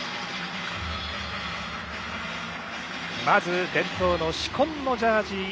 まず、伝統の紫紺のジャージ